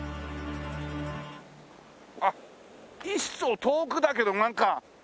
あっ１艘遠くだけどなんか。